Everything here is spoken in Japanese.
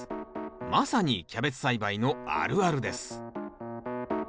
まさにキャベツ栽培のあるあるです。